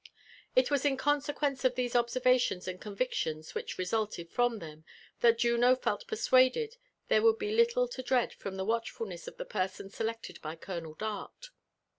It was in consequence of these observations and convictions which resulted from them, that Juno felt persuaded there would be little to dread from the watchfulness of the persons selected by Colonel Dart.